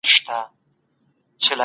هغه نسي کولای ځان وپیژني.